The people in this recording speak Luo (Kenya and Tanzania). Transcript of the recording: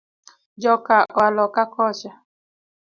Joka oa loka kocha.